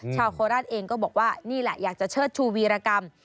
โคราชเองก็บอกว่านี่แหละอยากจะเชิดชูวีรกรรม